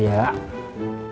iya pak tuhari